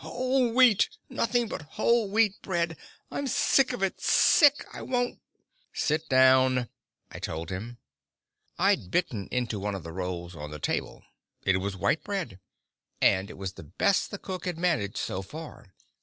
"Whole wheat! Nothing but whole wheat bread! I'm sick of it sick! I won't " "Sit down!" I told him. I'd bitten into one of the rolls on the table. It was white bread, and it was the best the cook had managed so far.